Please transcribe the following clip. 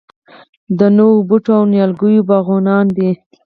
د نوو بوټو او نیالګیو باغوانان دي.